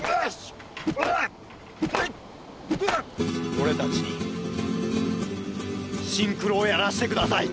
俺たちにシンクロをやらせてください！